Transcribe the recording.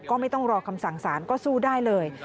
ก็ไม่ต้องรอคำสั่งสารก็สู้ได้เลย